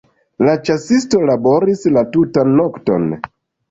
La ĉasisto laboris la tutan nokton.